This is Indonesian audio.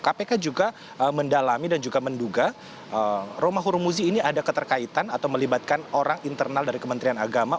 kpk juga mendalami dan juga menduga romahur muzi ini ada keterkaitan atau melibatkan orang internal dari kementerian agama